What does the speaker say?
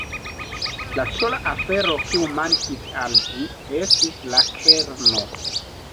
La sola afero, kiu mankis al ĝi, estis la kerno.